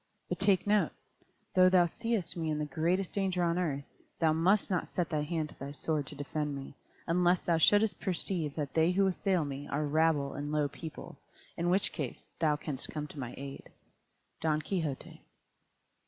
But take note, though thou seest me in the greatest danger on earth, thou must not set thy hand to thy sword to defend me, unless thou shouldst perceive that they who assail me are rabble and low people, in which case thou canst come to my aid. _Don Quixote.